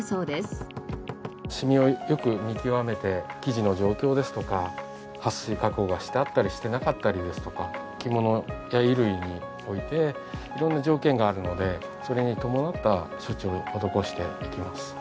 しみをよく見極めて生地の状況ですとかはっ水加工がしてあったりしてなかったりですとか着物や衣類において色んな条件があるのでそれに伴った処置を施していきます。